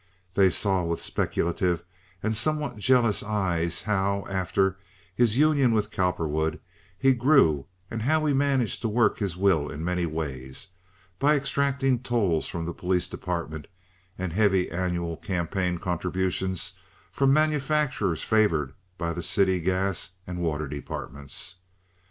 They saw with speculative and somewhat jealous eyes how, after his union with Cowperwood, he grew and how he managed to work his will in many ways—by extracting tolls from the police department, and heavy annual campaign contributions from manufacturers favored by the city gas and water departments.